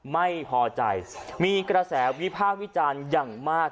ไม่พอใจมีกระแสวิพากษ์วิจารณ์อย่างมาก